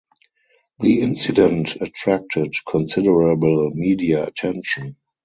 The incident attracted considerable media attention.